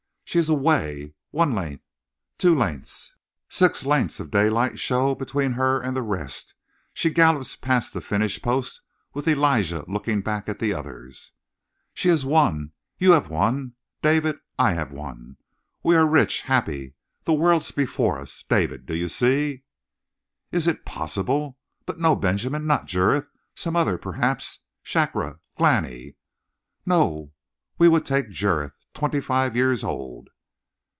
She is away. One length, two lengths, six lengths of daylight show between her and the rest. She gallops past the finish posts with Elijah looking back at the others! "She has won! You have won, David. I have won. We are rich. Happy. The world's before us. David, do you see?" "Is it possible? But no, Benjamin, not Jurith. Some other, perhaps, Shakra Glani " "No, we would take Jurith twenty five years old!"